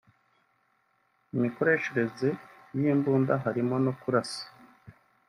imikoreshereze y’imbunda harimo no kurasa